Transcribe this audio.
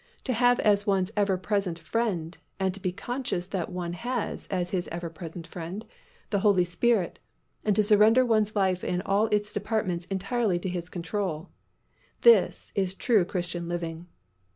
To have as one's ever present Friend, and to be conscious that one has as his ever present Friend, the Holy Spirit and to surrender one's life in all its departments entirely to His control, this is true Christian living.